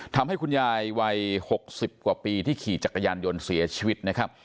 ทำให้คุณยายวัย๖๐กว่าปีที่ขี่จักรยานยนต์เสียชีวิตนะครับ